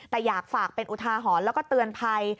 แต่อยากฝากเป็นอุทาหรณ์แล้วก็เตือนภัย